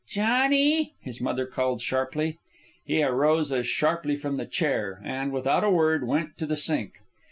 "Johnny," his mother called sharply. He arose as sharply from the chair, and, without a word, went to the sink.